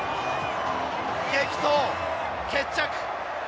激闘、決着！